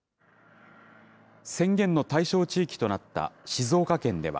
宣言の対象地域となった静岡県では。